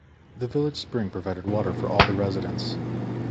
The village spring provided water for all the residents.